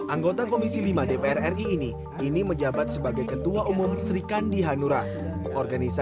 anggota komisi lima dpr ri ini menjabat sebagai ketua umum serikan diharap